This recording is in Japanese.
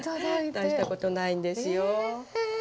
大したことないんですよ。え！